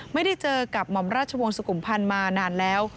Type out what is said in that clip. ไม่ได้เจอกับมราชบงศ์สกุมพรรณมานานแล้ว